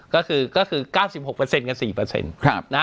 ก็คือก็คือก้าวสิบหกเปอร์เซ็นต์กับสี่เปอร์เซ็นต์ครับนะ